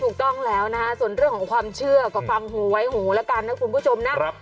ถูกต้องแล้วนะฮะส่วนเรื่องของความเชื่อก็ฟังหูไว้หูแล้วกันนะคุณผู้ชมนะ